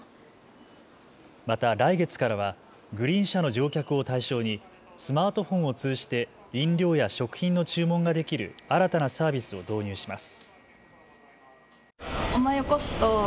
また来月からはグリーン車の乗客を対象にスマートフォンを通じて飲料や食品の注文ができる新たなサービスを導入します。